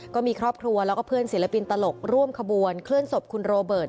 ก็มีครอบครัวแล้วก็เพื่อนศิลปินตลกร่วมขบวนเคลื่อนศพคุณโรเบิร์ต